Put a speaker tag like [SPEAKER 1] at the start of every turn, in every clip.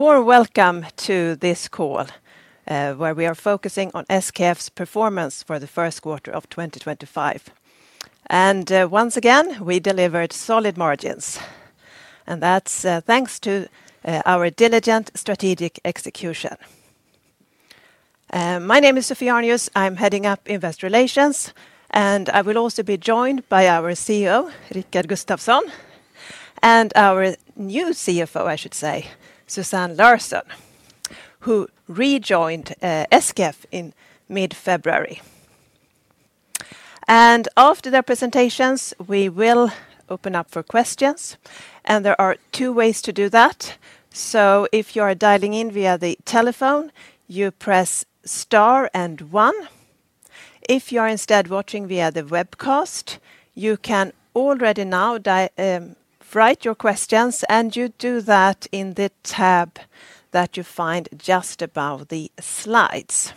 [SPEAKER 1] More welcome to this call, where we are focusing on SKF's Performance for the Q1 of 2025. Once again, we delivered solid margins, and that's thanks to our diligent strategic execution. My name is Sophie Arnius, I'm heading up Investor Relations, and I will also be joined by our CEO, Rickard Gustafson, and our new CFO, I should say, Susanne Larsson, who rejoined SKF in mid-February. After their presentations, we will open up for questions, and there are two ways to do that. If you are dialing in via the telephone, you press star and one. If you are instead watching via the webcast, you can already now write your questions, and you do that in the tab that you find just above the slides.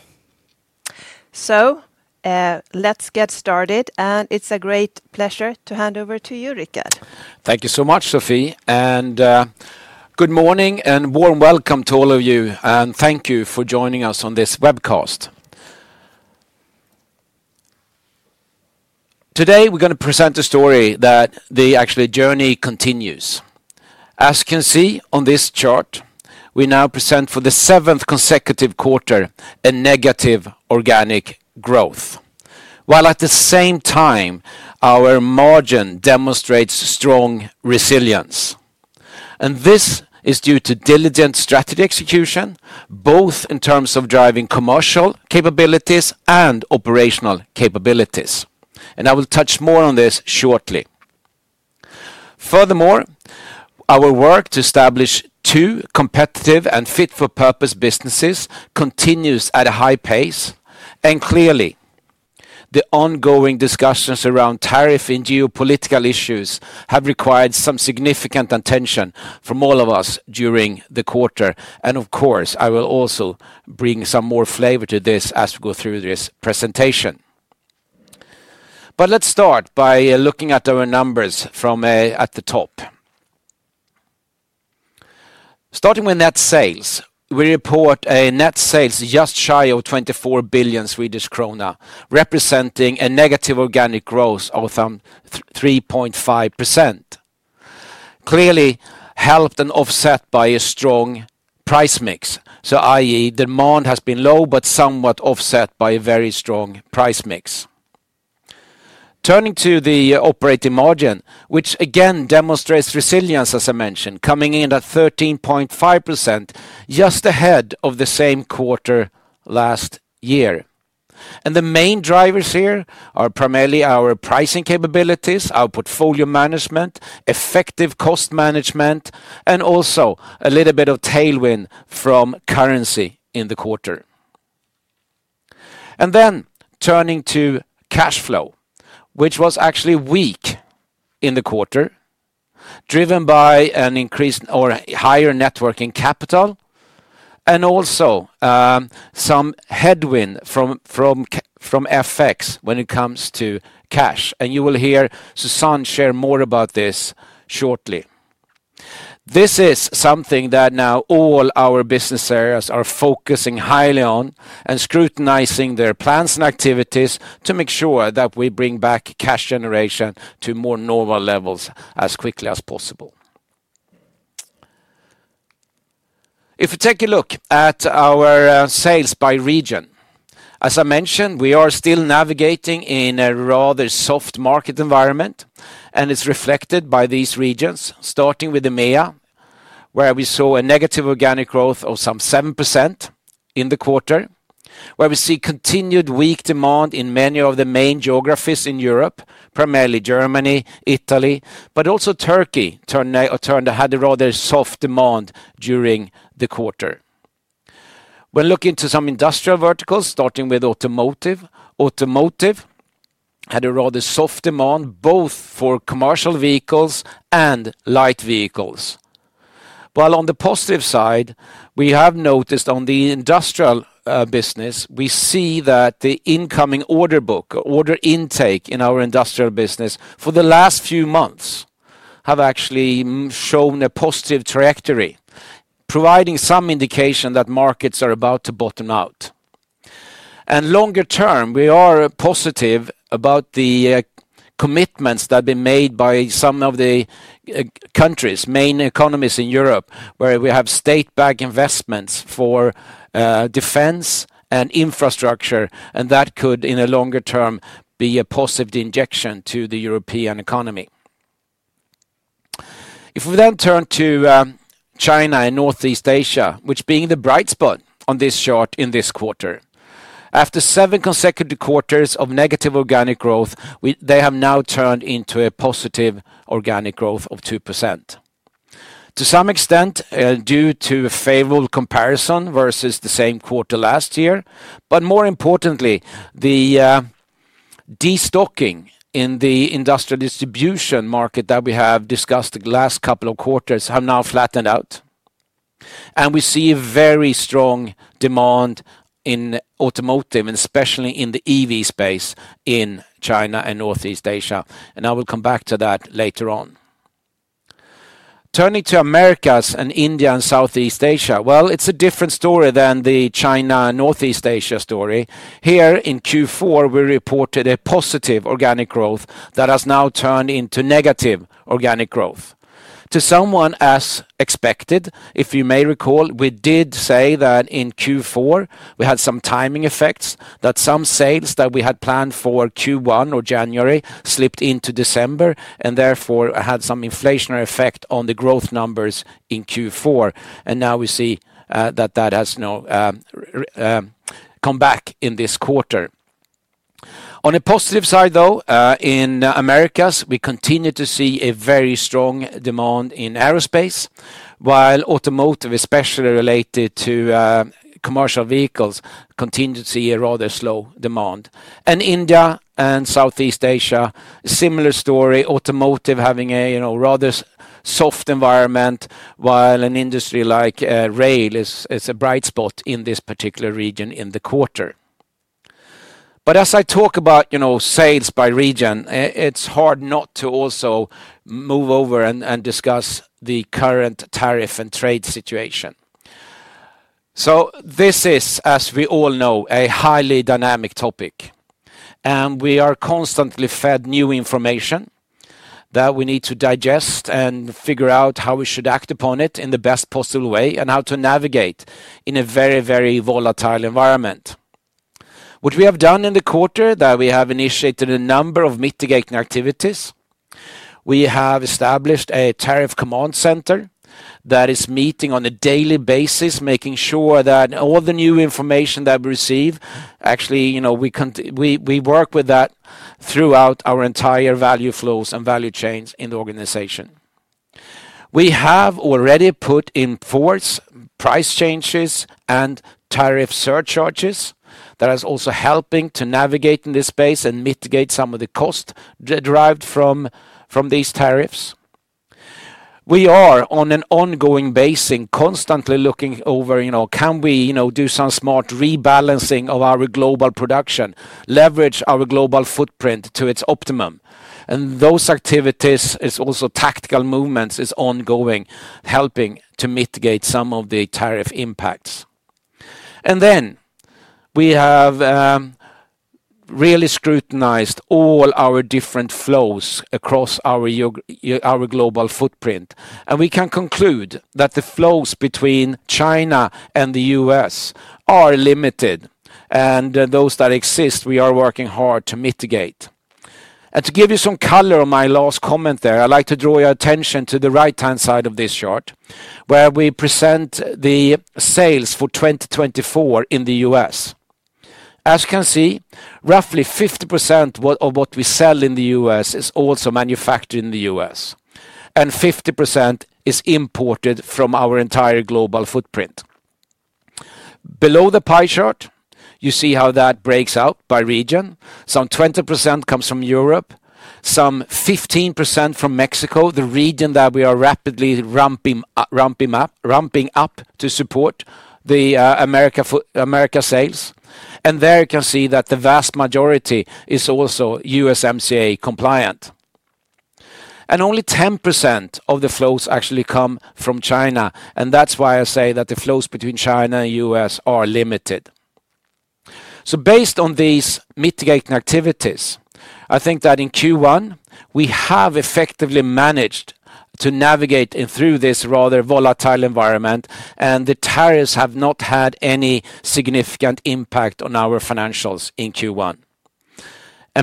[SPEAKER 1] Let's get started, and it's a great pleasure to hand over to you, Rickard.
[SPEAKER 2] Thank you so much, Sophie, and good morning and warm welcome to all of you, and thank you for joining us on this webcast. Today we're going to present a story that the journey continues. As you can see on this chart, we now present for the seventh consecutive quarter a negative organic growth, while at the same time our margin demonstrates strong resilience. This is due to diligent strategy execution, both in terms of driving commercial capabilities and operational capabilities, and I will touch more on this shortly. Furthermore, our work to establish two competitive and fit-for-purpose businesses continues at a high pace, and clearly the ongoing discussions around tariff and geopolitical issues have required some significant attention from all of us during the quarter. Of course, I will also bring some more flavor to this as we go through this presentation. Let's start by looking at our numbers from the top. Starting with net sales, we report net sales just shy of 24 billion Swedish krona, representing a negative organic growth of 3.5%. Clearly helped and offset by a strong price mix, so i.e., demand has been low but somewhat offset by a very strong price mix. Turning to the operating margin, which again demonstrates resilience, as I mentioned, coming in at 13.5% just ahead of the same quarter last year. The main drivers here are primarily our pricing capabilities, our portfolio management, effective cost management, and also a little bit of tailwind from currency in the quarter. Turning to cash flow, which was actually weak in the quarter, driven by an increased or higher working capital, and also some headwind from FX when it comes to cash. You will hear Susanne share more about this shortly. This is something that now all our business areas are focusing highly on and scrutinizing their plans and activities to make sure that we bring back cash generation to more normal levels as quickly as possible. If we take a look at our sales by region, as I mentioned, we are still navigating in a rather soft market environment, and it is reflected by these regions, starting with EMEA, where we saw a negative organic growth of some 7% in the quarter, where we see continued weak demand in many of the main geographies in Europe, primarily Germany, Italy, but also Turkey turned to have a rather soft demand during the quarter. When looking to some industrial verticals, starting with automotive. Automotive had a rather soft demand both for commercial vehicles and light vehicles. While on the positive side, we have noticed on the industrial business, we see that the incoming order book, order intake in our industrial business for the last few months have actually shown a positive trajectory, providing some indication that markets are about to bottom out. Longer term, we are positive about the commitments that have been made by some of the countries, main economies in Europe, where we have state-backed investments for defense and infrastructure, and that could in the longer term be a positive injection to the European economy. If we then turn to China and Northeast Asia, which being the bright spot on this chart in this quarter, after seven consecutive quarters of negative organic growth, they have now turned into a positive organic growth of 2%. To some extent, due to a favorable comparison versus the same quarter last year, but more importantly, the destocking in the industrial distribution market that we have discussed the last couple of quarters has now flattened out. We see very strong demand in automotive, and especially in the EV space in China and Northeast Asia, and I will come back to that later on. Turning to Americas and India and Southeast Asia, it is a different story than the China-Northeast Asia story. Here in Q4, we reported a positive organic growth that has now turned into negative organic growth. To someone as expected, if you may recall, we did say that in Q4 we had some timing effects, that some sales that we had planned for Q1 or January slipped into December, and therefore had some inflationary effect on the growth numbers in Q4, and now we see that that has come back in this quarter. On a positive side though, in Americas, we continue to see a very strong demand in aerospace, while automotive, especially related to commercial vehicles, continue to see a rather slow demand. India and Southeast Asia, similar story, automotive having a rather soft environment, while an industry like rail is a bright spot in this particular region in the quarter. As I talk about sales by region, it's hard not to also move over and discuss the current tariff and trade situation. This is, as we all know, a highly dynamic topic, and we are constantly fed new information that we need to digest and figure out how we should act upon it in the best possible way and how to navigate in a very, very volatile environment. What we have done in the quarter is that we have initiated a number of mitigating activities. We have established a tariff command center that is meeting on a daily basis, making sure that all the new information that we receive, actually we work with that throughout our entire value flows and value chains in the organization. We have already put in force price changes and tariff surcharges that are also helping to navigate in this space and mitigate some of the costs derived from these tariffs. We are on an ongoing basis, constantly looking over, can we do some smart rebalancing of our global production, leverage our global footprint to its optimum, and those activities, also tactical movements, are ongoing, helping to mitigate some of the tariff impacts. We have really scrutinized all our different flows across our global footprint, and we can conclude that the flows between China and the U.S. are limited, and those that exist, we are working hard to mitigate. To give you some color on my last comment there, I'd like to draw your attention to the right-hand side of this chart, where we present the sales for 2024 in the U.S. As you can see, roughly 50% of what we sell in the U.S. is also manufactured in the U.S., and 50% is imported from our entire global footprint. Below the pie chart, you see how that breaks out by region. Some 20% comes from Europe, some 15% from Mexico, the region that we are rapidly ramping up to support the Americas sales, and there you can see that the vast majority is also USMCA compliant. Only 10% of the flows actually come from China, and that is why I say that the flows between China and U.S. are limited. Based on these mitigating activities, I think that in Q1 we have effectively managed to navigate through this rather volatile environment, and the tariffs have not had any significant impact on our financials in Q1.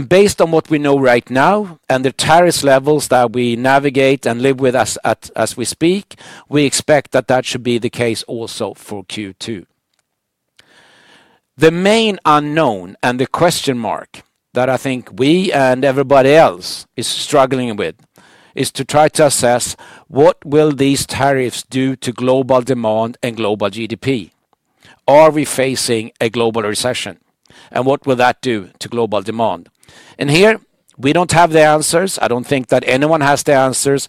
[SPEAKER 2] Based on what we know right now and the tariff levels that we navigate and live with as we speak, we expect that that should be the case also for Q2. The main unknown and the question mark that I think we and everybody else is struggling with is to try to assess what will these tariffs do to global demand and global GDP. Are we facing a global recession, and what will that do to global demand? Here we do not have the answers. I do not think that anyone has the answers,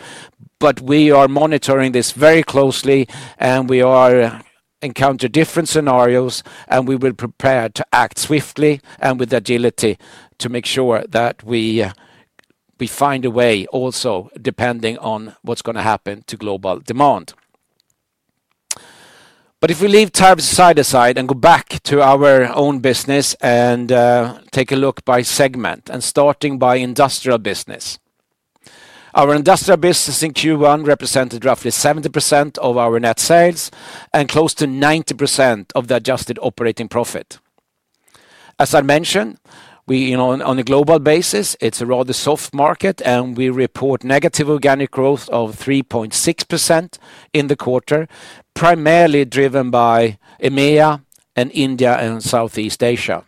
[SPEAKER 2] but we are monitoring this very closely, and we are encountering different scenarios, and we will prepare to act swiftly and with agility to make sure that we find a way also depending on what is going to happen to global demand. If we leave tariffs side to side and go back to our own business and take a look by segment, starting with industrial business, our industrial business in Q1 represented roughly 70% of our net sales and close to 90% of the adjusted operating profit. As I mentioned, on a global basis, it's a rather soft market, and we report negative organic growth of 3.6% in the quarter, primarily driven by EMEA and India and Southeast Asia.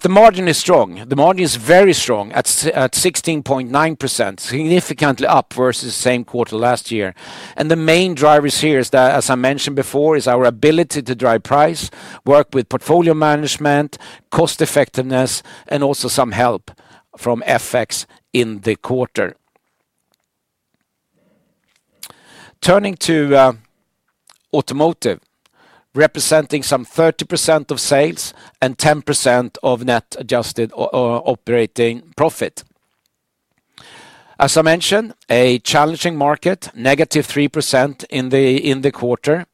[SPEAKER 2] The margin is strong. The margin is very strong at 16.9%, significantly up versus the same quarter last year. The main drivers here is that, as I mentioned before, is our ability to drive price, work with portfolio management, cost effectiveness, and also some help from FX in the quarter. Turning to automotive, representing some 30% of sales and 10% of net adjusted operating profit. As I mentioned, a challenging market, negative 3% in the quarter.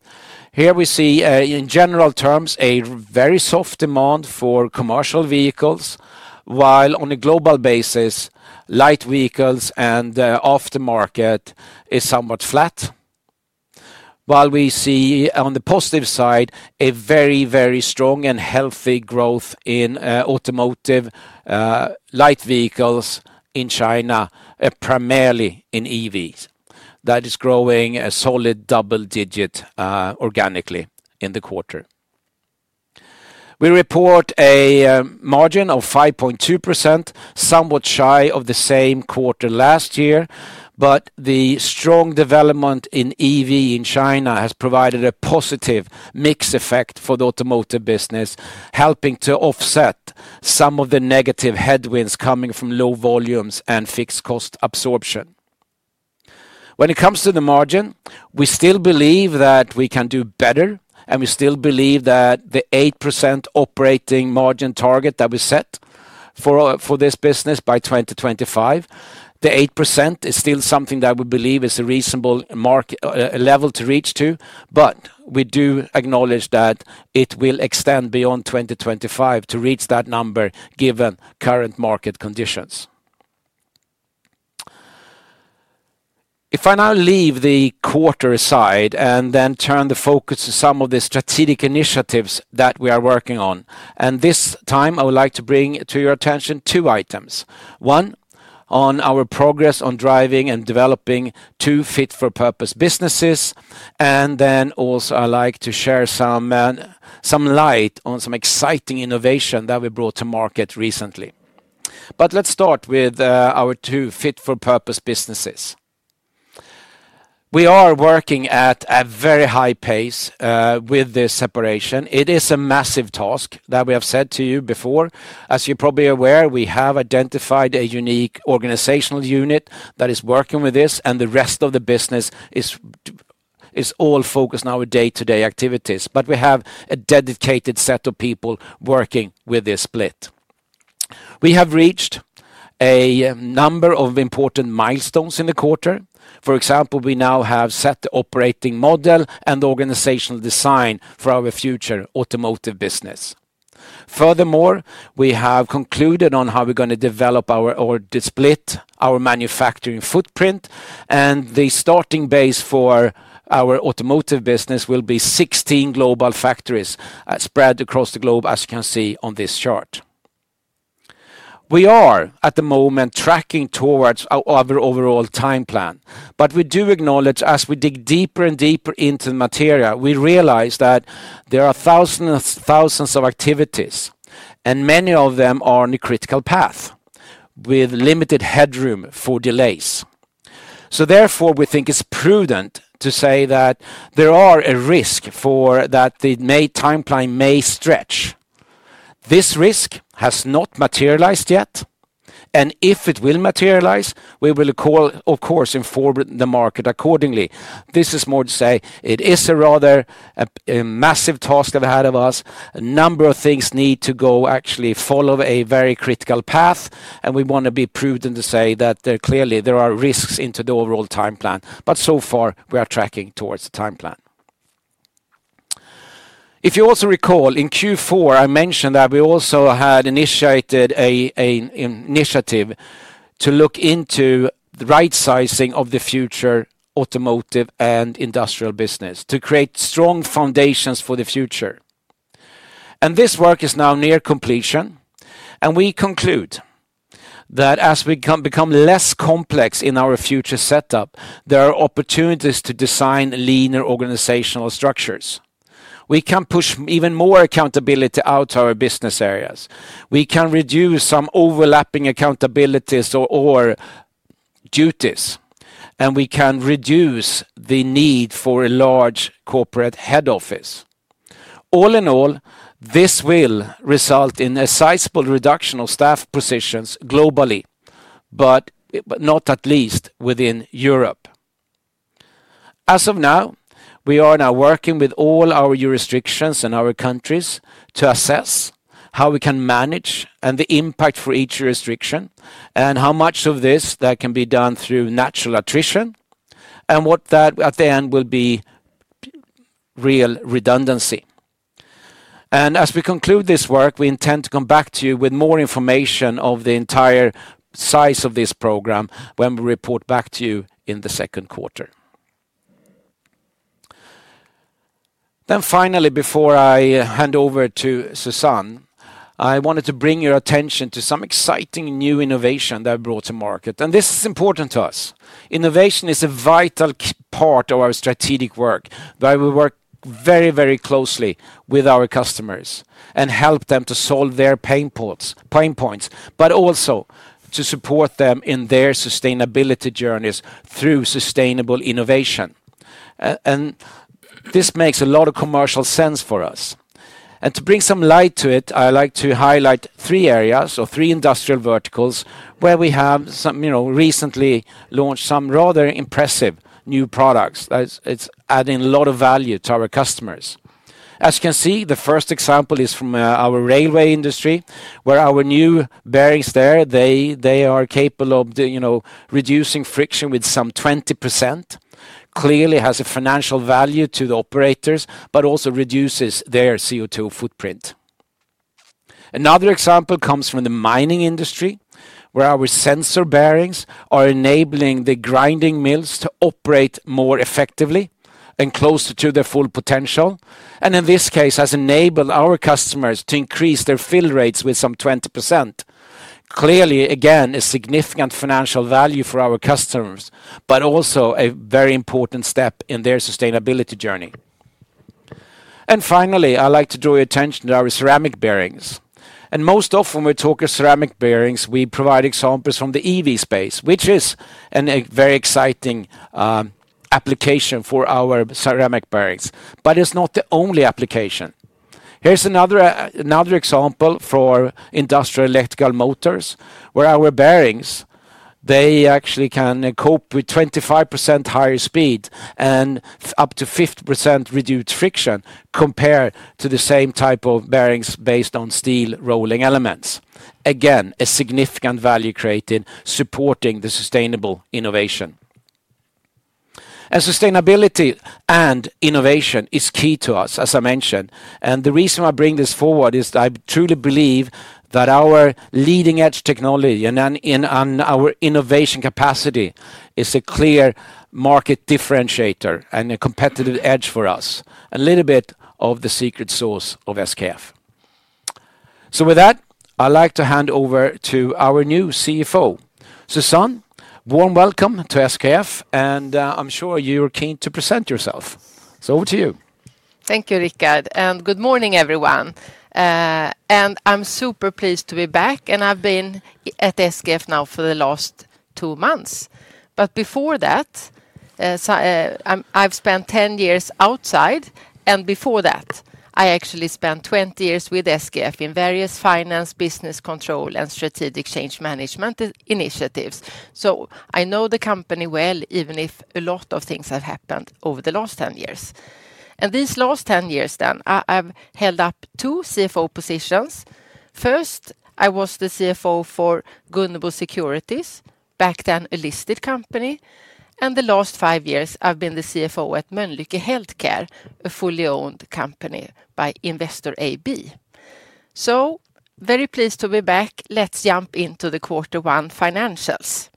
[SPEAKER 2] Here we see, in general terms, a very soft demand for commercial vehicles, while on a global basis, light vehicles and aftermarket is somewhat flat. While we see on the positive side a very, very strong and healthy growth in automotive light vehicles in China, primarily in EVs, that is growing a solid double digit organically in the quarter. We report a margin of 5.2%, somewhat shy of the same quarter last year, but the strong development in EV in China has provided a positive mix effect for the automotive business, helping to offset some of the negative headwinds coming from low volumes and fixed cost absorption. When it comes to the margin, we still believe that we can do better, and we still believe that the 8% operating margin target that we set for this business by 2025, the 8% is still something that we believe is a reasonable level to reach to, but we do acknowledge that it will extend beyond 2025 to reach that number given current market conditions. If I now leave the quarter aside and then turn the focus to some of the strategic initiatives that we are working on, this time I would like to bring to your attention two items. One, on our progress on driving and developing two fit-for-purpose businesses, and I would also like to share some light on some exciting innovation that we brought to market recently. Let's start with our two fit-for-purpose businesses. We are working at a very high pace with this separation. It is a massive task that we have said to you before. As you're probably aware, we have identified a unique organizational unit that is working with this, and the rest of the business is all focused on our day-to-day activities, but we have a dedicated set of people working with this split. We have reached a number of important milestones in the quarter. For example, we now have set the operating model and organizational design for our future automotive business. Furthermore, we have concluded on how we're going to develop our split, our manufacturing footprint, and the starting base for our automotive business will be 16 global factories spread across the globe, as you can see on this chart. We are at the moment tracking towards our overall time plan, but we do acknowledge as we dig deeper and deeper into the material, we realize that there are thousands of activities, and many of them are on a critical path with limited headroom for delays. Therefore, we think it's prudent to say that there is a risk that the timeline may stretch. This risk has not materialized yet, and if it will materialize, we will, of course, inform the market accordingly. This is more to say it is a rather massive task ahead of us. A number of things need to actually follow a very critical path, and we want to be prudent to say that clearly there are risks into the overall time plan, but so far we are tracking towards the time plan. If you also recall, in Q4, I mentioned that we also had initiated an initiative to look into the right-sizing of the future automotive and industrial business to create strong foundations for the future. This work is now near completion, and we conclude that as we become less complex in our future setup, there are opportunities to design leaner organizational structures. We can push even more accountability out to our business areas. We can reduce some overlapping accountabilities or duties, and we can reduce the need for a large corporate head office. All in all, this will result in a sizable reduction of staff positions globally, but not at least within Europe. As of now, we are now working with all our jurisdictions and our countries to assess how we can manage and the impact for each jurisdiction, and how much of this can be done through natural attrition, and what that at the end will be real redundancy. As we conclude this work, we intend to come back to you with more information of the entire size of this program when we report back to you in the Q2. Finally, before I hand over to Susanne, I wanted to bring your attention to some exciting new innovation that we brought to market, and this is important to us. Innovation is a vital part of our strategic work. We work very, very closely with our customers and help them to solve their pain points, but also to support them in their sustainability journeys through sustainable innovation. This makes a lot of commercial sense for us. To bring some light to it, I'd like to highlight three areas or three industrial verticals where we have recently launched some rather impressive new products that are adding a lot of value to our customers. As you can see, the first example is from our railway industry, where our new bearings there are capable of reducing friction with some 20%, which clearly has a financial value to the operators, but also reduces their CO2 footprint. Another example comes from the mining industry, where our sensor bearings are enabling the grinding mills to operate more effectively and closer to their full potential, and in this case has enabled our customers to increase their fill rates with some 20%. Clearly, again, a significant financial value for our customers, but also a very important step in their sustainability journey. Finally, I'd like to draw your attention to our ceramic bearings. Most often when we talk of ceramic bearings, we provide examples from the EV space, which is a very exciting application for our ceramic bearings, but it's not the only application. Here's another example for industrial electrical motors, where our bearings, they actually can cope with 25% higher speed and up to 50% reduced friction compared to the same type of bearings based on steel rolling elements. Again, a significant value created supporting the sustainable innovation. Sustainability and innovation is key to us, as I mentioned, and the reason I bring this forward is I truly believe that our leading-edge technology and our innovation capacity is a clear market differentiator and a competitive edge for us, a little bit of the secret sauce of SKF. With that, I'd like to hand over to our new CFO, Susanne. Warm welcome to SKF, and I'm sure you're keen to present yourself. Over to you.
[SPEAKER 3] Thank you, Rickard, and good morning, everyone. I'm super pleased to be back, and I've been at SKF now for the last two months. Before that, I spent 10 years outside, and before that, I actually spent 20 years with SKF in various finance, business control, and strategic change management initiatives. I know the company well, even if a lot of things have happened over the last 10 years. These last 10 years, I have held up two CFO positions. First, I was the CFO for Gunnebo Securities, back then a listed company. The last five years, I have been the CFO at Mölnlycke Health Care, a fully owned company by Investor AB. I am very pleased to be back. Let's jump into the Q1 financials.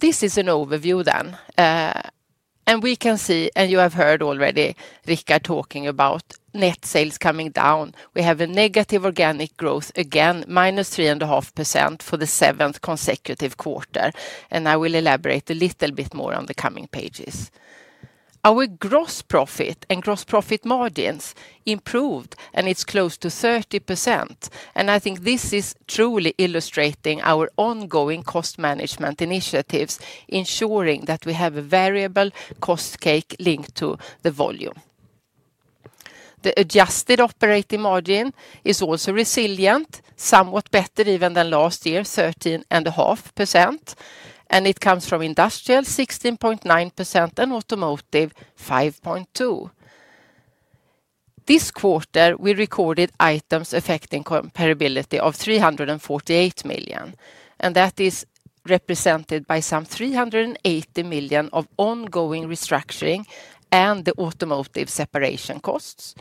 [SPEAKER 3] This is an overview, and you have heard already Rickard talking about net sales coming down. We have a negative organic growth again, -3.5% for the seventh consecutive quarter, and I will elaborate a little bit more on the coming pages. Our gross profit and gross profit margins improved, and it's close to 30%, and I think this is truly illustrating our ongoing cost management initiatives, ensuring that we have a variable cost cake linked to the volume. The adjusted operating margin is also resilient, somewhat better even than last year, 13.5%, and it comes from industrial 16.9% and automotive 5.2%. This quarter, we recorded items affecting comparability of 348 million, and that is represented by some 380 million of ongoing restructuring and the automotive separation costs.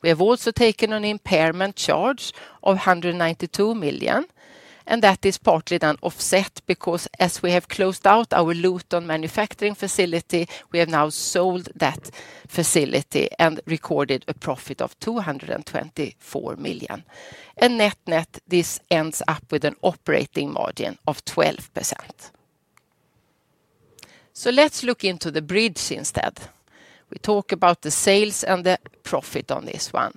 [SPEAKER 3] We have also taken an impairment charge of 192 million, and that is partly then offset because as we have closed out our Luton manufacturing facility, we have now sold that facility and recorded a profit of 224 million. Net net, this ends up with an operating margin of 12%. Let's look into the bridge instead. We talk about the sales and the profit on this one.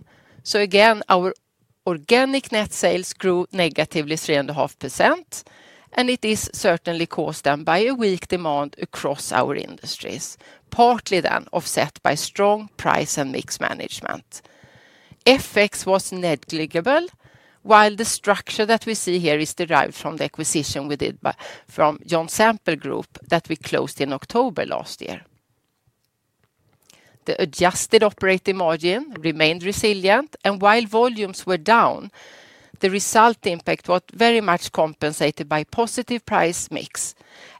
[SPEAKER 3] Again, our organic net sales grew negatively 3.5%, and it is certainly caused then by a weak demand across our industries, partly then offset by strong price and mix management. FX was negligible, while the structure that we see here is derived from the acquisition we did from John Sample Group that we closed in October last year. The adjusted operating margin remained resilient, and while volumes were down, the result impact was very much compensated by positive price mix,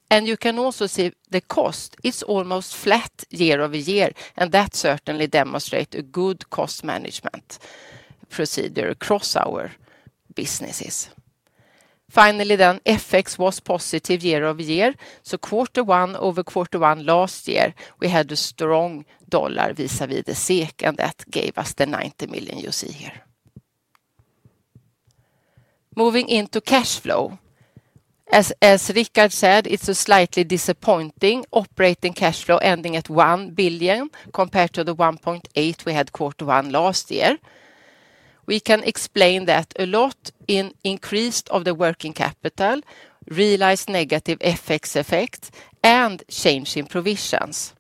[SPEAKER 3] and you can also see the cost is almost flat year over year, and that certainly demonstrates a good cost management procedure across our businesses. Finally, FX was positive year-over-year, so Q1 over Q1 last year, we had a strong dollar vis-à-vis the SEK that gave us the $90 million you see here. Moving into cash flow. As Rickard said, it's a slightly disappointing operating cash flow ending at 1 billion compared to the 1.8 billion we had Q1 last year. We can explain that a lot in increased of the working capital, realized negative FX effect, and change in provisions.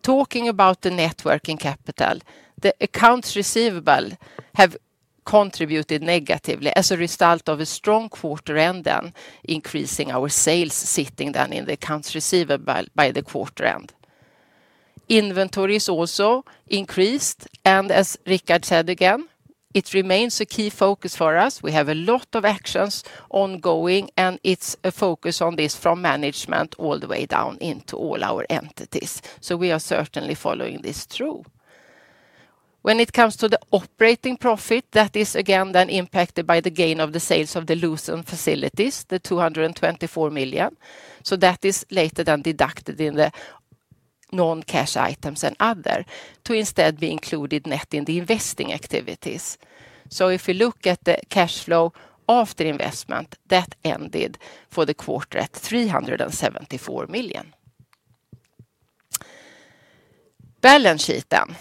[SPEAKER 3] Talking about the networking capital, the accounts receivable have contributed negatively as a result of a strong quarter end then, increasing our sales sitting then in the accounts receivable by the quarter end. Inventories also increased, and as Rickard said again, it remains a key focus for us. We have a lot of actions ongoing, and it's a focus on this from management all the way down into all our entities. We are certainly following this through. When it comes to the operating profit, that is again then impacted by the gain of the sales of the Luton facilities, the 224 million. That is later then deducted in the non-cash items and other to instead be included net in the investing activities. If you look at the cash flow after investment, that ended for the quarter at 374 million. Balance sheet then.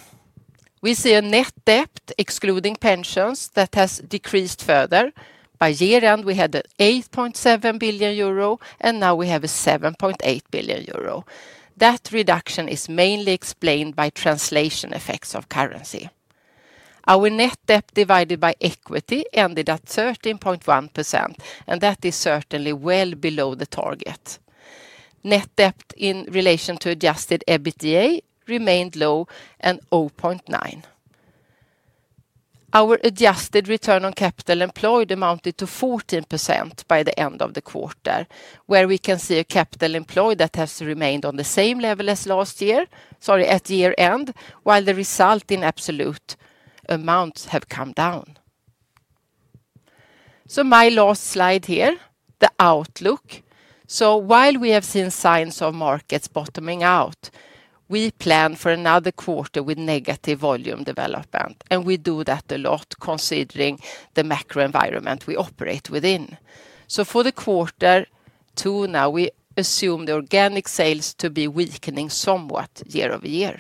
[SPEAKER 3] We see a net debt excluding pensions that has decreased further. By year end, we had 8.7 billion euro, and now we have 7.8 billion euro. That reduction is mainly explained by translation effects of currency. Our net debt divided by equity ended at 13.1%, and that is certainly well below the target. Net debt in relation to adjusted EBITDA remained low at 0.9. Our adjusted return on capital employed amounted to 14% by the end of the quarter, where we can see a capital employed that has remained on the same level as last year, sorry, at year end, while the result in absolute amounts have come down. My last slide here, the outlook. While we have seen signs of markets bottoming out, we plan for another quarter with negative volume development, and we do that a lot considering the macro environment we operate within. For the Q2 now, we assume the organic sales to be weakening somewhat year over year.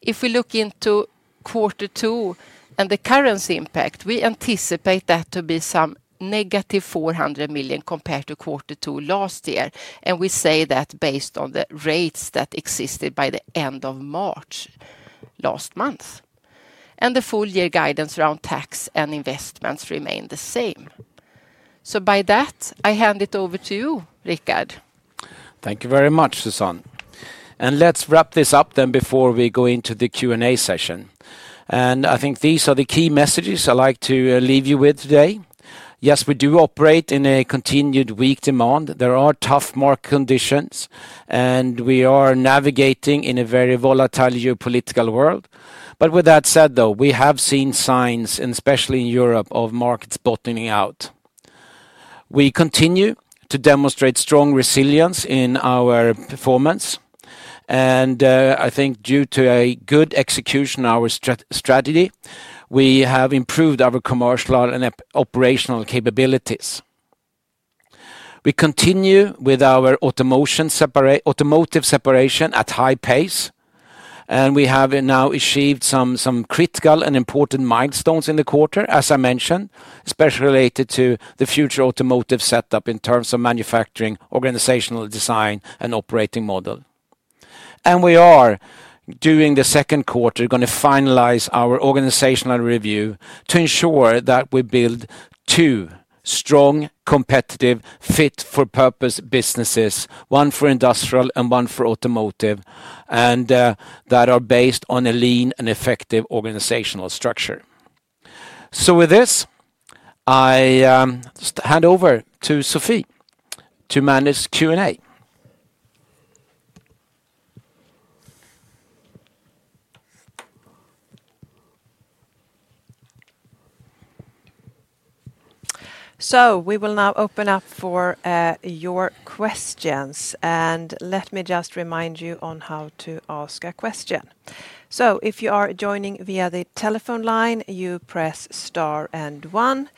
[SPEAKER 3] If we look into Q2 and the currency impact, we anticipate that to be some negative 400 million compared to Q2 last year, and we say that based on the rates that existed by the end of March last month. The full year guidance around tax and investments remained the same. By that, I hand it over to you, Rickard.
[SPEAKER 2] Thank you very much, Susanne. Let's wrap this up before we go into the Q&A session. I think these are the key messages I'd like to leave you with today. Yes, we do operate in a continued weak demand. There are tough market conditions, and we are navigating in a very volatile geopolitical world. With that said though, we have seen signs, and especially in Europe, of markets bottoming out. We continue to demonstrate strong resilience in our performance, and I think due to a good execution of our strategy, we have improved our commercial and operational capabilities. We continue with our automotive separation at high pace, and we have now achieved some critical and important milestones in the quarter, as I mentioned, especially related to the future automotive setup in terms of manufacturing, organizational design, and operating model. We are during the Q2 going to finalize our organizational review to ensure that we build two strong, competitive, fit-for-purpose businesses, one for industrial and one for automotive, and that are based on a lean and effective organizational structure. With this, I hand over to Sophie to manage Q&A.
[SPEAKER 1] We will now open up for your questions, and let me just remind you on how to ask a question. If you are joining via the telephone line, you press star and one.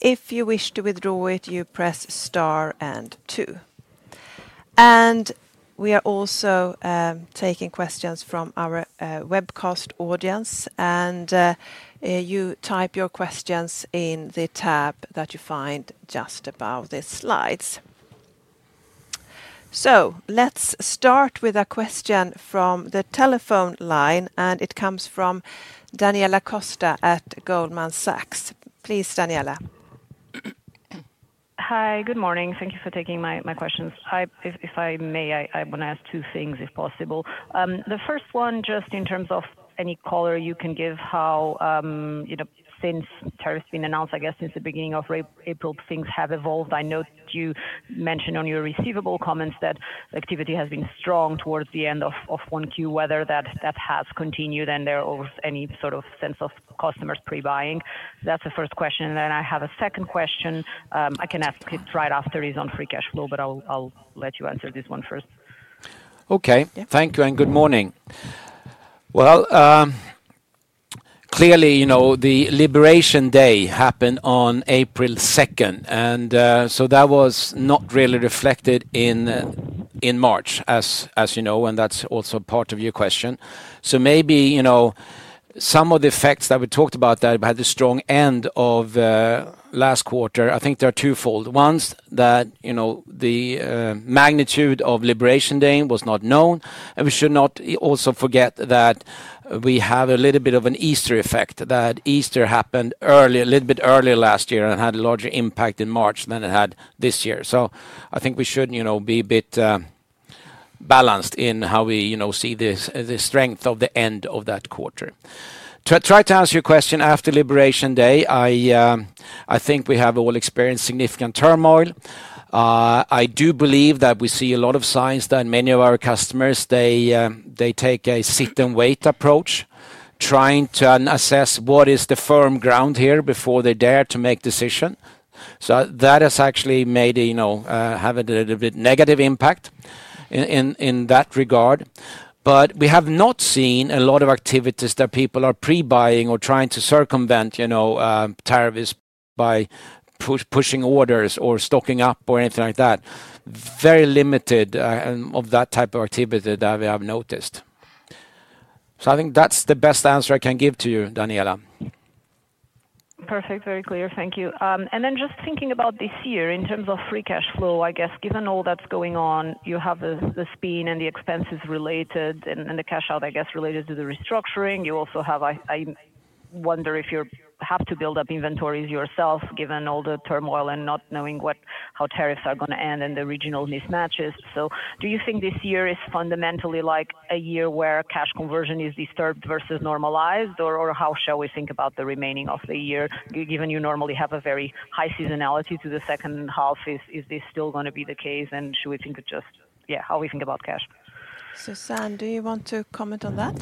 [SPEAKER 1] If you wish to withdraw it, you press star and two. We are also taking questions from our webcast audience, and you type your questions in the tab that you find just above the slides. Let's start with a question from the telephone line, and it comes from Daniela Costa at Goldman Sachs. Please, Daniela.
[SPEAKER 4] Hi, good morning. Thank you for taking my questions. If I may, I want to ask two things if possible. The first one, just in terms of any color you can give how, since tariffs have been announced, I guess since the beginning of April, things have evolved. I know you mentioned on your receivable comments that the activity has been strong towards the end of Q1, whether that has continued and there was any sort of sense of customers pre-buying. That's the first question, and then I have a second question. I can ask it right after he's on free cash flow, but I'll let you answer this one first.
[SPEAKER 2] Okay, thank you and good morning. Clearly, the Liberation Day happened on April 2, and so that was not really reflected in March, as you know, and that's also part of your question. Maybe some of the effects that we talked about that had a strong end of last quarter, I think they're twofold. One is that the magnitude of Liberation Day was not known, and we should not also forget that we have a little bit of an Easter effect, that Easter happened a little bit earlier last year and had a larger impact in March than it had this year. I think we should be a bit balanced in how we see the strength of the end of that quarter. To try to answer your question after Liberation Day, I think we have all experienced significant turmoil. I do believe that we see a lot of signs that many of our customers, they take a sit-and-wait approach, trying to assess what is the firm ground here before they dare to make a decision. That has actually made it have a little bit negative impact in that regard. We have not seen a lot of activities that people are pre-buying or trying to circumvent tariffs by pushing orders or stocking up or anything like that. Very limited of that type of activity that we have noticed. I think that's the best answer I can give to you, Daniela.
[SPEAKER 4] Perfect, very clear, thank you. Just thinking about this year in terms of free cash flow, I guess given all that's going on, you have the spin and the expenses related and the cash out, I guess related to the restructuring. You also have, I wonder if you have to build up inventories yourself given all the turmoil and not knowing how tariffs are going to end and the regional mismatches. Do you think this year is fundamentally like a year where cash conversion is disturbed versus normalized, or how shall we think about the remaining of the year given you normally have a very high seasonality to the second half? Is this still going to be the case, and should we think just, yeah, how we think about cash?
[SPEAKER 1] Susanne, do you want to comment on that?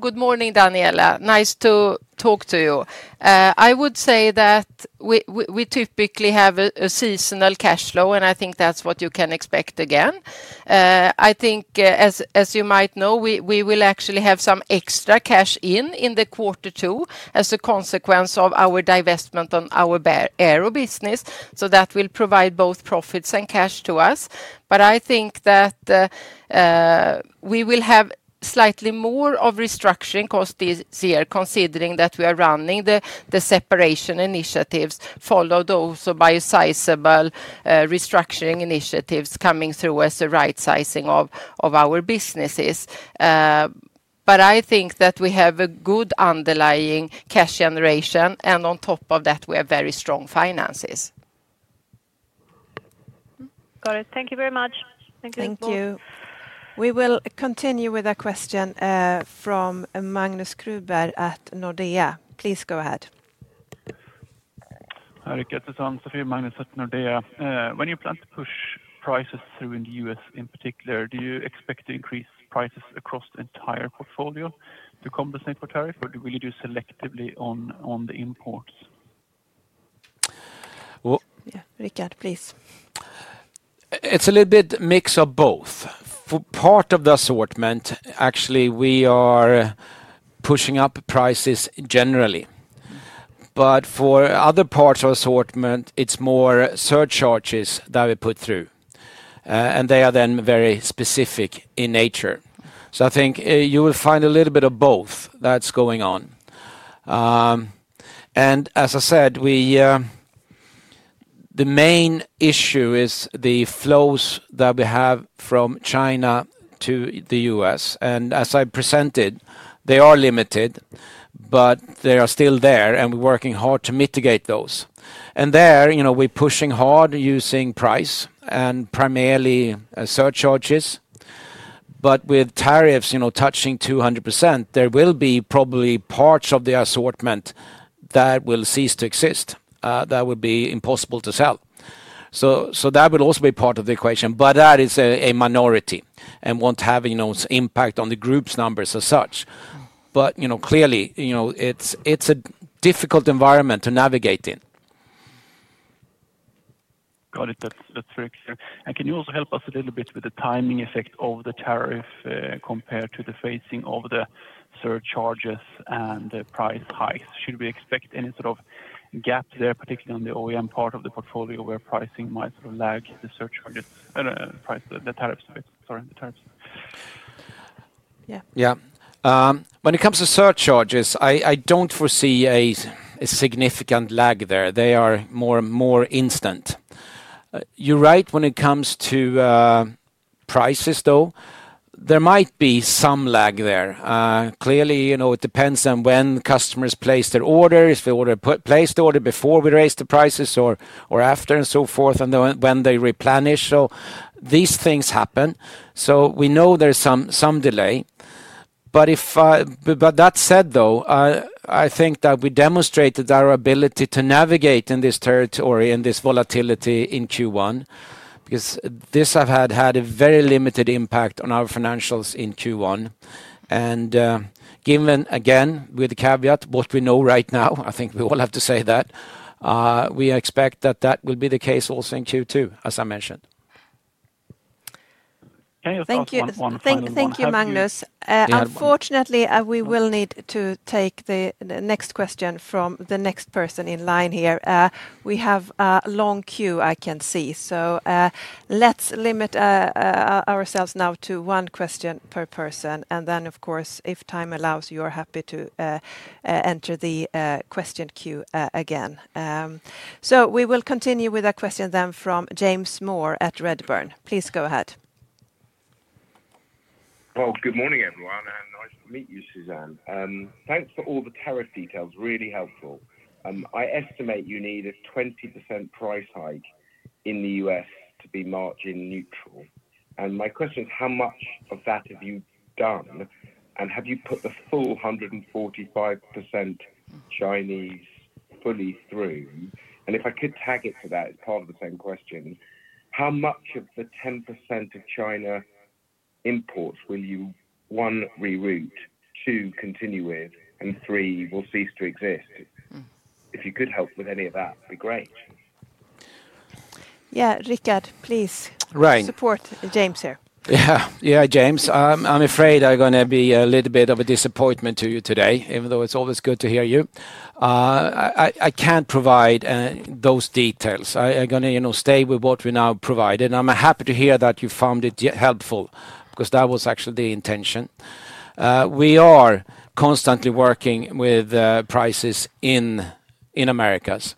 [SPEAKER 3] Good morning, Daniela. Nice to talk to you. I would say that we typically have a seasonal cash flow, and I think that's what you can expect again. I think as you might know, we will actually have some extra cash in in the Q2 as a consequence of our divestment on our aero business, so that will provide both profits and cash to us. I think that we will have slightly more of restructuring costs this year considering that we are running the separation initiatives followed also by sizable restructuring initiatives coming through as a right-sizing of our businesses. I think that we have a good underlying cash generation, and on top of that, we have very strong finances.
[SPEAKER 4] Got it. Thank you very much.
[SPEAKER 3] Thank you.
[SPEAKER 1] Thank you. We will continue with a question from Magnus Kruber at Nordea. Please go ahead.
[SPEAKER 5] Hi, Rickard, Susanne, Sophie, Magnus at Nordea. When you plan to push prices through in the U.S. in particular, do you expect to increase prices across the entire portfolio to compensate for tariff, or will you do selectively on the imports?
[SPEAKER 1] Rickard, please.
[SPEAKER 2] It's a little bit mix of both. For part of the assortment, actually, we are pushing up prices generally. For other parts of assortment, it's more surcharges that we put through, and they are then very specific in nature. I think you will find a little bit of both that's going on. As I said, the main issue is the flows that we have from China to the U.S. As I presented, they are limited, but they are still there, and we're working hard to mitigate those. There, we're pushing hard using price and primarily surcharges. With tariffs touching 200%, there will be probably parts of the assortment that will cease to exist, that will be impossible to sell. That will also be part of the equation, but that is a minority and will not have any impact on the group's numbers as such. Clearly, it is a difficult environment to navigate in.
[SPEAKER 5] Got it. That is very clear. Can you also help us a little bit with the timing effect of the tariff compared to the phasing of the surcharges and the price hikes? Should we expect any sort of gap there, particularly on the OEM part of the portfolio where pricing might sort of lag the surcharges and the tariffs a bit? Sorry, the tariffs.
[SPEAKER 2] Yeah. When it comes to surcharges, I do not foresee a significant lag there. They are more instant. You are right when it comes to prices, though. There might be some lag there. Clearly, it depends on when customers place their orders, if they place the order before we raise the prices or after and so forth, and when they replenish. These things happen. We know there is some delay. That said, though, I think that we demonstrated our ability to navigate in this territory and this volatility in Q1, because this has had a very limited impact on our financials in Q1. Given, again, with the caveat, what we know right now, I think we all have to say that we expect that will be the case also in Q2, as I mentioned.
[SPEAKER 5] Can you ask one final question?
[SPEAKER 1] Thank you, Magnus. Unfortunately, we will need to take the next question from the next person in line here. We have a long queue, I can see. Let's limit ourselves now to one question per person. If time allows, you are happy to enter the question queue again. We will continue with a question from James Moore at Redburn. Please go ahead.
[SPEAKER 6] Good morning, everyone, and nice to meet you, Susanne. Thanks for all the tariff details. Really helpful. I estimate you need a 20% price hike in the U.S. to be margin neutral. My question is, how much of that have you done? Have you put the full 145% Chinese fully through? If I could tag it to that as part of the same question, how much of the 10% of China imports will you, one, reroute, two, continue with, and three, will cease to exist? If you could help with any of that, it'd be great.
[SPEAKER 3] Rickard, please support James here.
[SPEAKER 2] Yeah, James, I'm afraid I'm going to be a little bit of a disappointment to you today, even though it's always good to hear you. I can't provide those details. I'm going to stay with what we now provided, and I'm happy to hear that you found it helpful, because that was actually the intention. We are constantly working with prices in Americas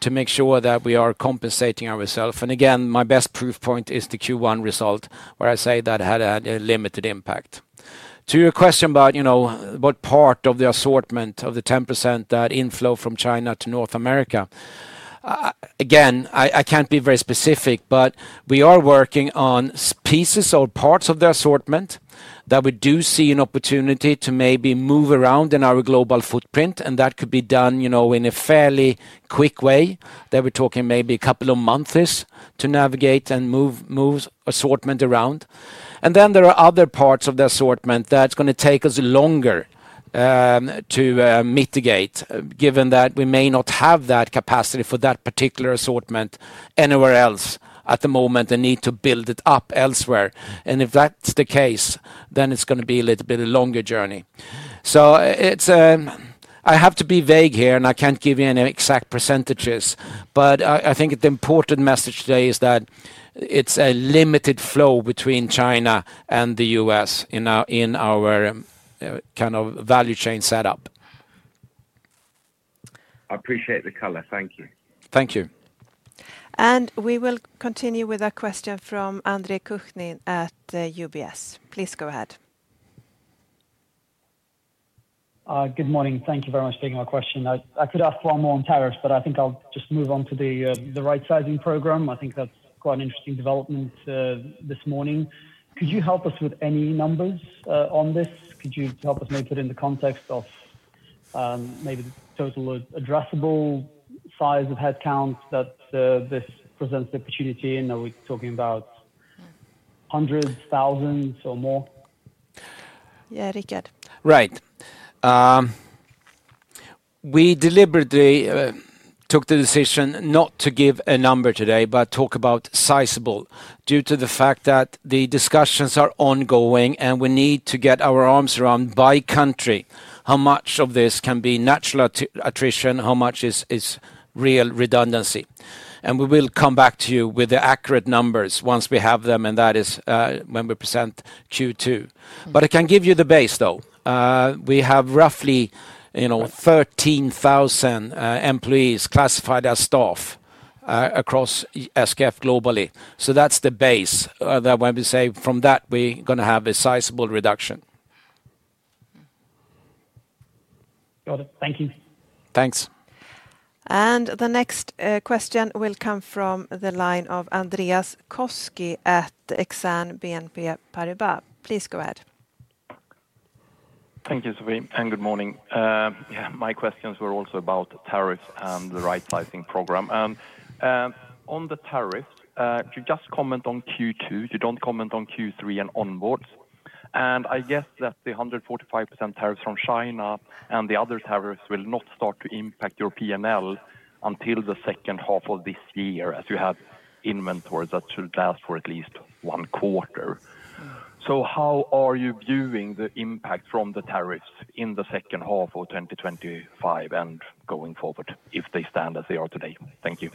[SPEAKER 2] to make sure that we are compensating ourselves. Again, my best proof point is the Q1 result, where I say that had a limited impact. To your question about what part of the assortment of the 10% that inflow from China to North America, again, I can't be very specific, but we are working on pieces or parts of the assortment that we do see an opportunity to maybe move around in our global footprint, and that could be done in a fairly quick way. They were talking maybe a couple of months to navigate and move assortment around. There are other parts of the assortment that are going to take us longer to mitigate, given that we may not have that capacity for that particular assortment anywhere else at the moment and need to build it up elsewhere. If that is the case, then it is going to be a little bit of a longer journey. I have to be vague here, and I cannot give you any exact percentages, but I think the important message today is that it is a limited flow between China and the U.S. in our kind of value chain setup.
[SPEAKER 6] I appreciate the color. Thank you.
[SPEAKER 2] Thank you.
[SPEAKER 1] We will continue with a question from Andre Kukhnin at UBS. Please go ahead.
[SPEAKER 7] Good morning. Thank you very much for taking my question. I could ask one more on tariffs, but I think I'll just move on to the right-sizing program. I think that's quite an interesting development this morning. Could you help us with any numbers on this? Could you help us maybe put it in the context of maybe the total addressable size of headcount that this presents the opportunity in? Are we talking about hundreds, thousands, or more?
[SPEAKER 1] Yeah, Rickard.
[SPEAKER 2] Right. We deliberately took the decision not to give a number today, but talk about sizable due to the fact that the discussions are ongoing and we need to get our arms around by country how much of this can be natural attrition, how much is real redundancy. We will come back to you with the accurate numbers once we have them, and that is when we present Q2. I can give you the base, though. We have roughly 13,000 employees classified as staff across SKF globally. That is the base that when we say from that, we are going to have a sizable reduction.
[SPEAKER 7] Got it. Thank you.
[SPEAKER 2] Thanks.
[SPEAKER 1] The next question will come from the line of Andreas Koski at Exane BNP Paribas. Please go ahead.
[SPEAKER 8] Thank you, Sophie, and good morning. Yeah, my questions were also about tariffs and the right-sizing program. On the tariffs, you just comment on Q2, you do not comment on Q3 and onwards. I guess that the 145% tariffs from China and the other tariffs will not start to impact your P&L until the second half of this year as you have inventories that should last for at least one quarter. How are you viewing the impact from the tariffs in the second half of 2025 and going forward if they stand as they are today?
[SPEAKER 1] Thank you.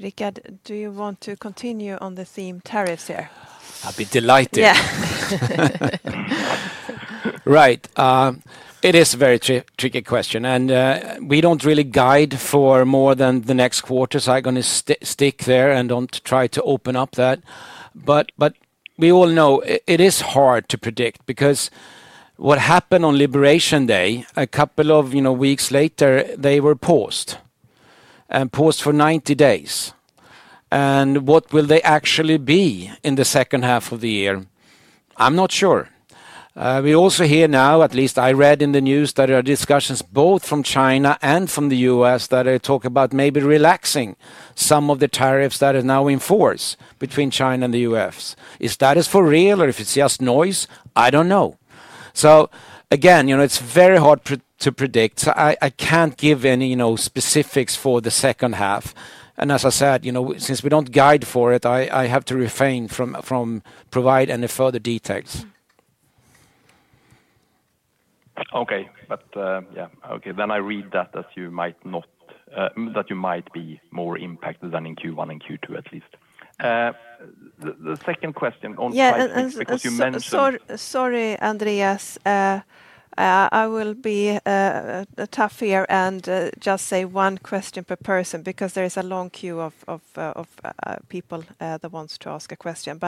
[SPEAKER 1] Rickard, do you want to continue on the theme of tariffs here?
[SPEAKER 2] I'll be delighted. Yeah. It is a very tricky question, and we do not really guide for more than the next quarter, so I am going to stick there and not try to open up that. We all know it is hard to predict because what happened on Liberation Day, a couple of weeks later, they were paused and paused for 90 days. What will they actually be in the second half of the year? I am not sure. We also hear now, at least I read in the news, that there are discussions both from China and from the U.S. that are talking about maybe relaxing some of the tariffs that are now in force between China and the U.S. Is that for real, or if it's just noise? I don't know. It is very hard to predict. I can't give any specifics for the second half. As I said, since we don't guide for it, I have to refrain from providing any further details.
[SPEAKER 8] Okay, yeah, okay, then I read that as you might not, that you might be more impacted than in Q1 and Q2 at least. The second question on sizing because you mentioned.
[SPEAKER 1] Sorry, Andreas. I will be tough here and just say one question per person because there is a long queue of people that wants to ask a question.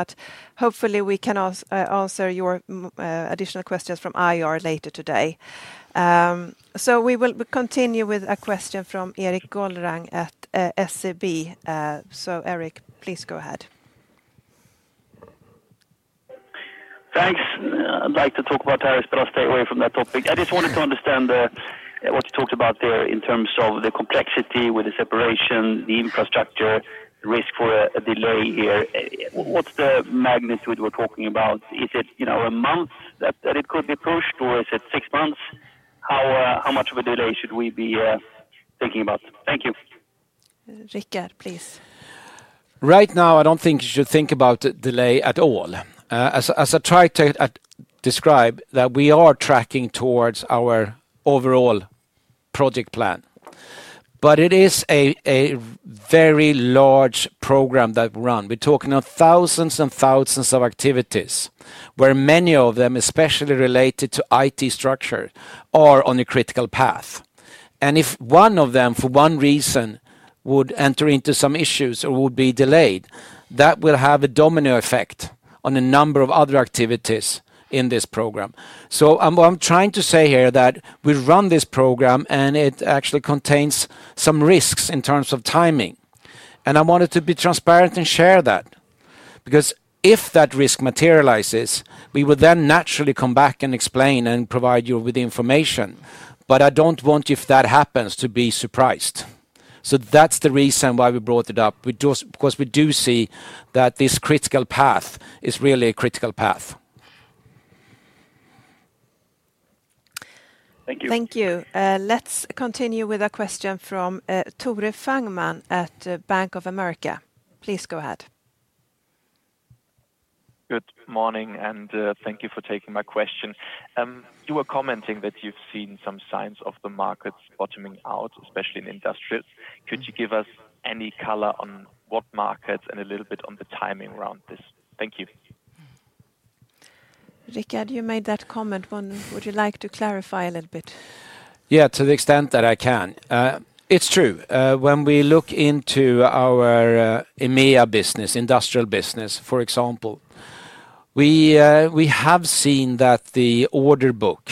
[SPEAKER 1] Hopefully we can answer your additional questions from IR later today. We will continue with a question from Erik Golrang at SEB. Erik, please go ahead.
[SPEAKER 9] Thanks. I'd like to talk about tariffs, but I'll stay away from that topic. I just wanted to understand what you talked about there in terms of the complexity with the separation, the infrastructure, the risk for a delay here. What's the magnitude we're talking about? Is it a month that it could be pushed, or is it six months? How much of a delay should we be thinking about? Thank you.
[SPEAKER 1] Rickard, please.
[SPEAKER 2] Right now, I don't think you should think about a delay at all. As I tried to describe, we are tracking towards our overall project plan. It is a very large program that we run. We're talking of thousands and thousands of activities where many of them, especially related to IT structure, are on a critical path. If one of them, for one reason, would enter into some issues or would be delayed, that will have a domino effect on a number of other activities in this program. What I'm trying to say here is that we run this program, and it actually contains some risks in terms of timing. I wanted to be transparent and share that because if that risk materializes, we would then naturally come back and explain and provide you with information. I don't want you, if that happens, to be surprised. That's the reason why we brought it up, because we do see that this critical path is really a critical path.
[SPEAKER 9] Thank you.
[SPEAKER 1] Thank you. Let's continue with a question from Tore Fangmann at Bank of America. Please go ahead.
[SPEAKER 10] Good morning, and thank you for taking my question. You were commenting that you've seen some signs of the markets bottoming out, especially in industrials. Could you give us any color on what markets and a little bit on the timing around this? Thank you.
[SPEAKER 1] Rickard, you made that comment. Would you like to clarify a little bit?
[SPEAKER 2] Yeah, to the extent that I can. It's true. When we look into our EMEA business, industrial business, for example, we have seen that the order book,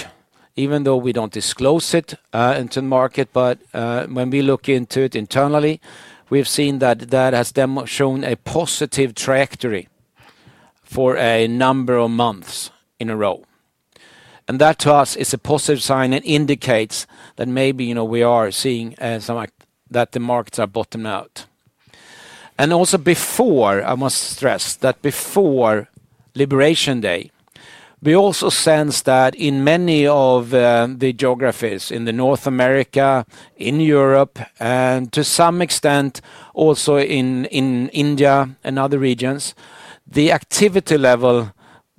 [SPEAKER 2] even though we do not disclose it into the market, but when we look into it internally, we have seen that that has shown a positive trajectory for a number of months in a row. That, to us, is a positive sign and indicates that maybe we are seeing that the markets are bottomed out. Also, I must stress that before Liberation Day, we sensed that in many of the geographies in North America, in Europe, and to some extent also in India and other regions, the activity level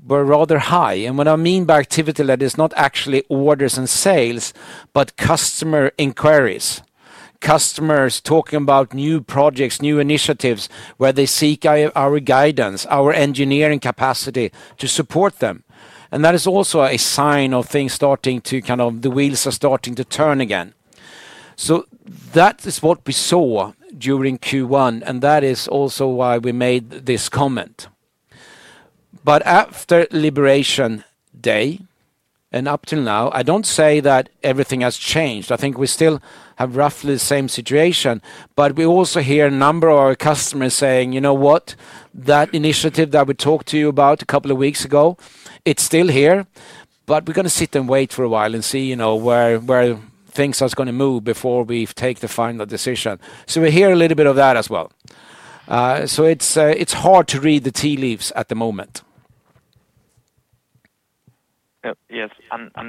[SPEAKER 2] was rather high. What I mean by activity level is not actually orders and sales, but customer inquiries, customers talking about new projects, new initiatives where they seek our guidance, our engineering capacity to support them. That is also a sign of things starting to kind of—the wheels are starting to turn again. That is what we saw during Q1, and that is also why we made this comment. After Liberation Day and up till now, I do not say that everything has changed. I think we still have roughly the same situation, but we also hear a number of our customers saying, you know what, that initiative that we talked to you about a couple of weeks ago, it is still here, but we are going to sit and wait for a while and see where things are going to move before we take the final decision. We hear a little bit of that as well. It is hard to read the tea leaves at the moment.
[SPEAKER 10] Yes,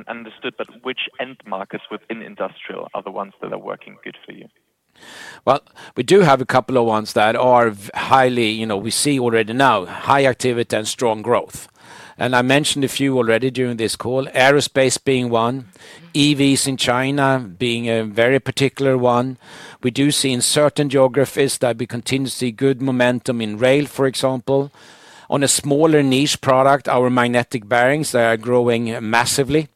[SPEAKER 10] understood. Which end markets within industrial are the ones that are working good for you?
[SPEAKER 2] We do have a couple of ones that are highly, we see already now, high activity and strong growth. I mentioned a few already during this call, aerospace being one, EVs in China being a very particular one. We do see in certain geographies that we continue to see good momentum in rail, for example, on a smaller niche product, our magnetic bearings that are growing massively.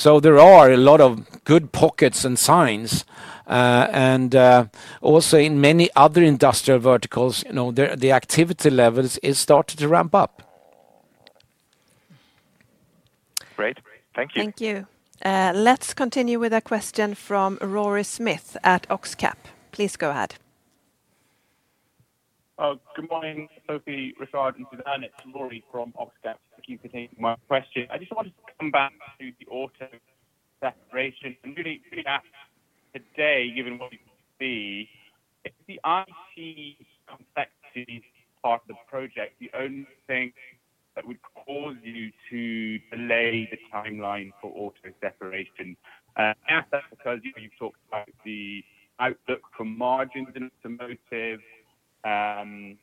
[SPEAKER 2] There are a lot of good pockets and signs. Also in many other industrial verticals, the activity levels have started to ramp up.
[SPEAKER 10] Great. Thank you.
[SPEAKER 1] Thank you. Let's continue with a question from Rory Smith at Oxcap. Please go ahead.
[SPEAKER 11] Good morning, Sophie, Rickard, and Susanne. It's Rory from Oxcap. Thank you for taking my question. I just wanted to come back to the auto separation. I really, really asked today, given what you see, if the IT complexity part of the project is the only thing that would cause you to delay the timeline for auto separation. I ask that because you've talked about the outlook for margins in automotive and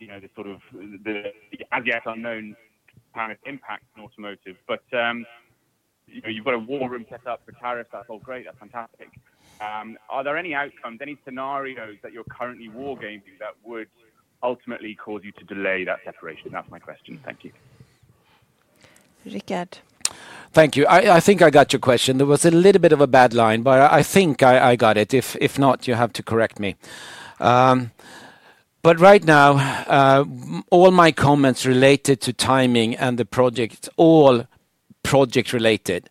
[SPEAKER 11] the sort of the as yet unknown tariff impact in automotive. You have got a war room set up for tariffs. That is all great. That is fantastic. Are there any outcomes, any scenarios that you are currently wargaming that would ultimately cause you to delay that separation? That is my question. Thank you.
[SPEAKER 1] Rickard.
[SPEAKER 2] Thank you. I think I got your question. There was a little bit of a bad line, but I think I got it. If not, you have to correct me. Right now, all my comments related to timing and the project, all project-related,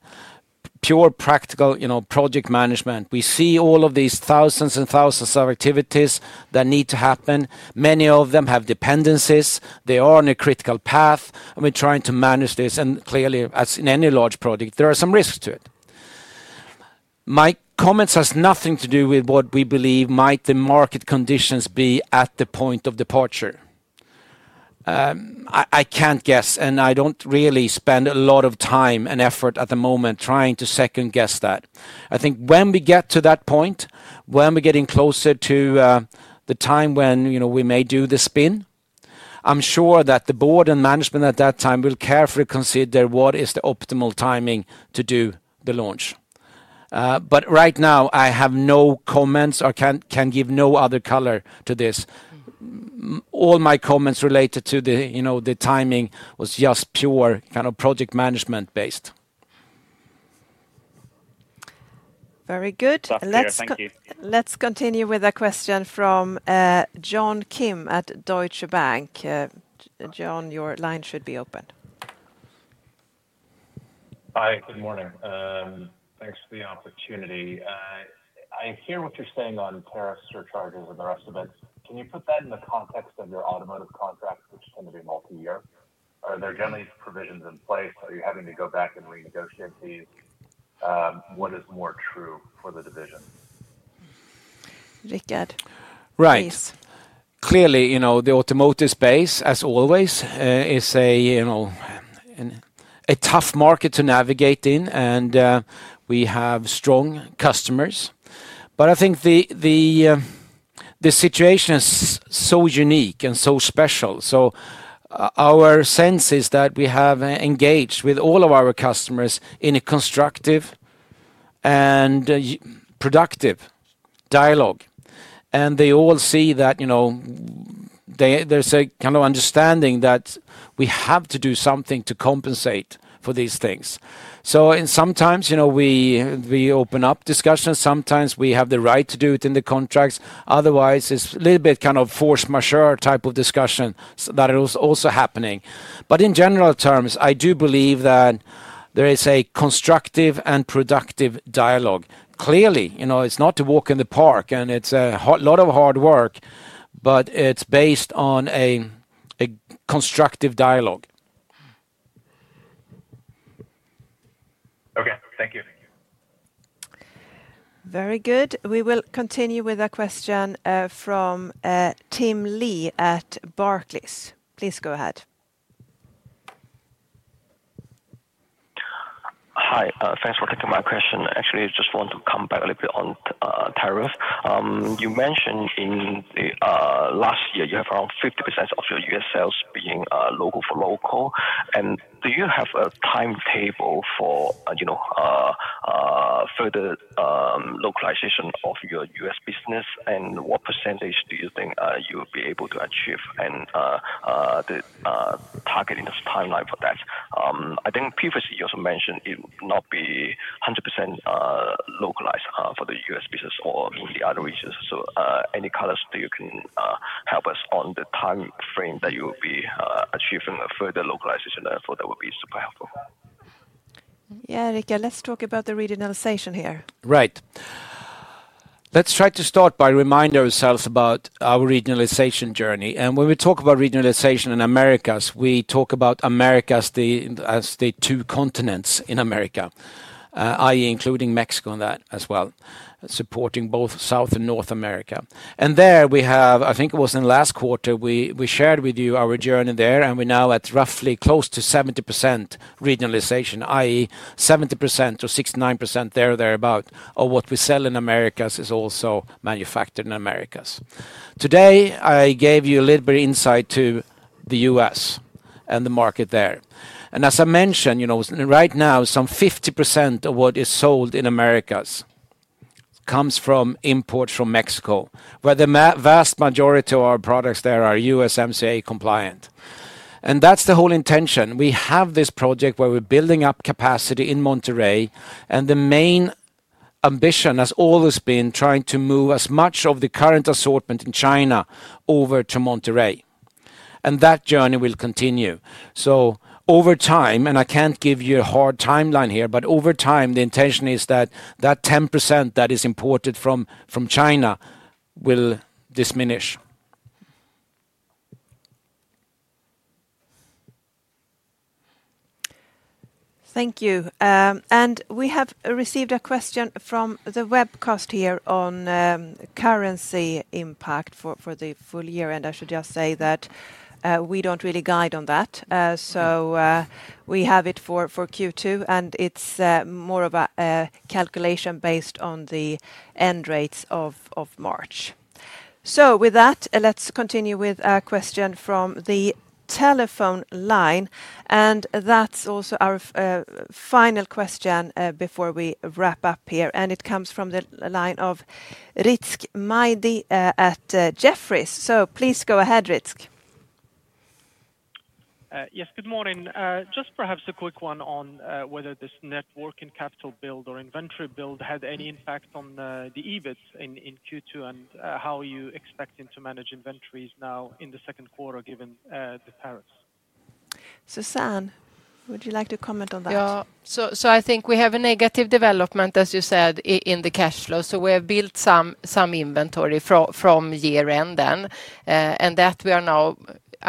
[SPEAKER 2] pure practical project management. We see all of these thousands and thousands of activities that need to happen. Many of them have dependencies. They are on a critical path, and we're trying to manage this. Clearly, as in any large project, there are some risks to it. My comments have nothing to do with what we believe might the market conditions be at the point of departure. I can't guess, and I don't really spend a lot of time and effort at the moment trying to second-guess that. I think when we get to that point, when we're getting closer to the time when we may do the spin, I'm sure that the board and management at that time will carefully consider what is the optimal timing to do the launch. But right now, I have no comments or can give no other color to this. All my comments related to the timing was just pure kind of project management-based.
[SPEAKER 1] Very good.
[SPEAKER 11] Thank you.
[SPEAKER 1] Let's continue with a question from John Kim at Deutsche Bank. John, your line should be open.
[SPEAKER 12] Hi, good morning. Thanks for the opportunity. I hear what you're saying on tariffs or charges and the rest of it. Can you put that in the context of your automotive contract, which tends to be multi-year? Are there generally provisions in place? Are you having to go back and renegotiate these? What is more true for the division?
[SPEAKER 1] Rickard.
[SPEAKER 2] Right. Clearly, the automotive space, as always, is a tough market to navigate in, and we have strong customers. I think the situation is so unique and so special. Our sense is that we have engaged with all of our customers in a constructive and productive dialogue. They all see that there is a kind of understanding that we have to do something to compensate for these things. Sometimes we open up discussions. Sometimes we have the right to do it in the contracts. Otherwise, it is a little bit kind of force majeure type of discussion that is also happening. In general terms, I do believe that there is a constructive and productive dialogue. Clearly, it is not a walk in the park, and it is a lot of hard work, but it is based on a constructive dialogue.
[SPEAKER 12] Okay. Thank you.
[SPEAKER 1] Very good. We will continue with a question from Tim Lee at Barclays. Please go ahead.
[SPEAKER 13] Hi. Thanks for taking my question. Actually, I just want to come back a little bit on tariffs. You mentioned in last year, you have around 50% of your U.S. sales being local for local. Do you have a timetable for further localization of your U.S. business? What percentage do you think you will be able to achieve and target in this timeline for that? I think previously you also mentioned it would not be 100% localized for the U.S. business or the other regions. Any colors that you can help us on the timeframe that you will be achieving a further localization therefore that would be super helpful.
[SPEAKER 1] Yeah, Rickard, let's talk about the regionalization here.
[SPEAKER 2] Right. Let's try to start by reminding ourselves about our regionalization journey. When we talk about regionalization in Americas, we talk about America as the two continents in America, i.e., including Mexico in that as well, supporting both South and North America. There we have, I think it was in last quarter, we shared with you our journey there, and we are now at roughly close to 70% regionalization, i.e., 70% or 69% thereabout, or what we sell in Americas is also manufactured in Americas. Today, I gave you a little bit of insight to the U.S. and the market there. As I mentioned, right now, some 50% of what is sold in Americas comes from imports from Mexico, where the vast majority of our products there are USMCA compliant. That is the whole intention. We have this project where we are building up capacity in Monterrey, and the main ambition has always been trying to move as much of the current assortment in China over to Monterrey. That journey will continue. Over time, and I can't give you a hard timeline here, but over time, the intention is that that 10% that is imported from China will diminish.
[SPEAKER 1] Thank you. We have received a question from the webcast here on currency impact for the full year. I should just say that we don't really guide on that. We have it for Q2, and it's more of a calculation based on the end rates of March. With that, let's continue with a question from the telephone line. That's also our final question before we wrap up here. It comes from the line of Rizk Maidi at Jefferies. Please go ahead, Rizk.
[SPEAKER 14] Yes, good morning. Just perhaps a quick one on whether this working capital build or inventory build had any impact on the EBIT in Q2 and how you're expecting to manage inventories now in the Q2 given the tariffs.
[SPEAKER 1] Susanne, would you like to comment on that?
[SPEAKER 3] Yeah. I think we have a negative development, as you said, in the cash flow. We have built some inventory from year-end then. That is now,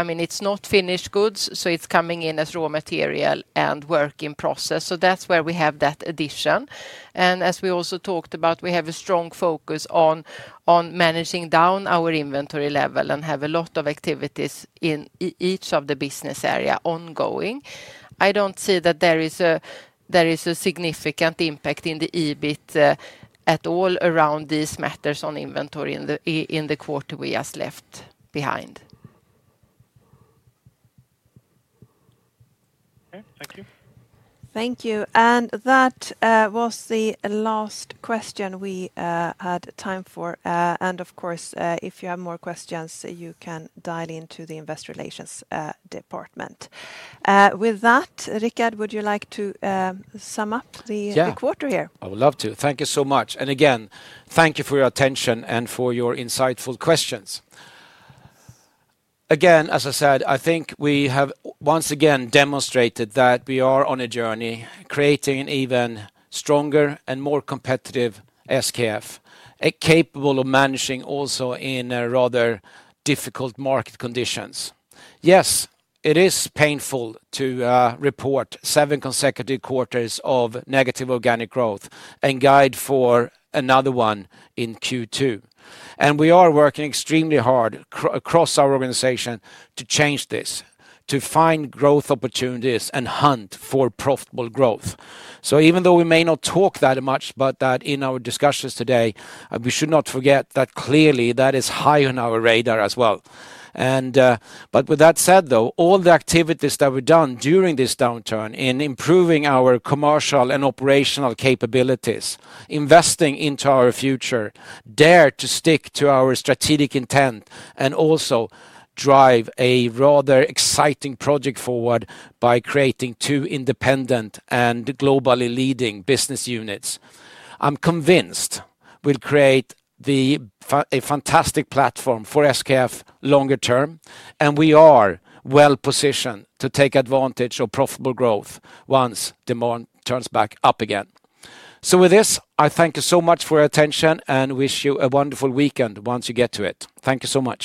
[SPEAKER 3] I mean, it's not finished goods, so it's coming in as raw material and work in process. That is where we have that addition. As we also talked about, we have a strong focus on managing down our inventory level and have a lot of activities in each of the business areas ongoing. I do not see that there is a significant impact in the EBIT at all around these matters on inventory in the quarter we just left behind.
[SPEAKER 14] Okay. Thank you.
[SPEAKER 1] Thank you. That was the last question we had time for. Of course, if you have more questions, you can dial into the Investor Relations Department. With that, Rickard, would you like to sum up the quarter here?
[SPEAKER 2] Yeah, I would love to. Thank you so much. Again, thank you for your attention and for your insightful questions. Again, as I said, I think we have once again demonstrated that we are on a journey creating an even stronger and more competitive SKF, capable of managing also in rather difficult market conditions. Yes, it is painful to report seven consecutive quarters of negative organic growth and guide for another one in Q2. We are working extremely hard across our organization to change this, to find growth opportunities and hunt for profitable growth. Even though we may not talk that much about that in our discussions today, we should not forget that clearly that is high on our radar as well. With that said, all the activities that were done during this downturn in improving our commercial and operational capabilities, investing into our future, daring to stick to our strategic intent, and also driving a rather exciting project forward by creating two independent and globally leading business units, I am convinced will create a fantastic platform for SKF longer term. We are well positioned to take advantage of profitable growth once demand turns back up again. With this, I thank you so much for your attention and wish you a wonderful weekend once you get to it. Thank you so much.